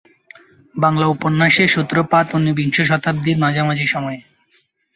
বাংলা উপন্যাসের সূত্রপাত ঊনবিংশ শতাব্দীর মাঝামাঝি সময়ে।